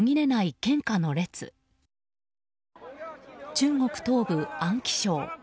中国東部安徽省。